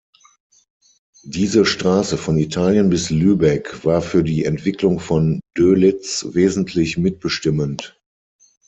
Diese Straße von Italien bis Lübeck war für die Entwicklung von Dölitz wesentlich mitbestimmend.